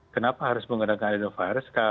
kenapa harus menggunakan adenovirus